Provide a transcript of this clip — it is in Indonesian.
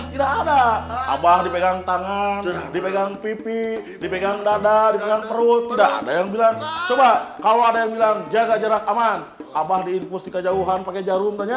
tidak ada abah dipegang tangan dipegang pipi dipegang dada dipegang perut tidak ada yang bilang coba kalau ada yang bilang jaga jarak aman abah diinfus di kejauhan pakai jarum